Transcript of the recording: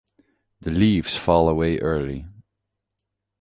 The leaves fall away early.